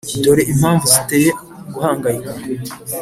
dore impamvu ziteye guhangayika